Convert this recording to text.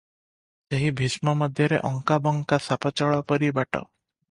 ସେହି ଭୀଷ୍ମ ମଧ୍ୟରେ ଅଙ୍କା ବଙ୍କା ସାପଚଳ ପରି ବାଟ ।